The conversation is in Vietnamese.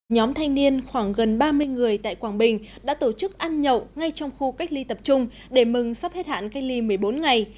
nhóm thanh niên khoảng gần ba mươi người tại quảng bình đã tổ chức ăn nhậu ngay trong khu cách ly tập trung để mừng sắp hết hạn cách ly một mươi bốn ngày